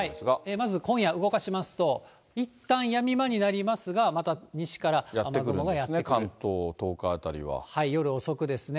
まず今夜、動かしますと、いったんやみ間になりますが、またやって来るんですね、関東、夜遅くですね。